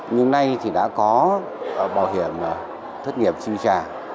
nhưng nay thì đã có bảo hiểm thất nghiệp chi trả